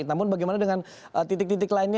namun bagaimana dengan titik titik lainnya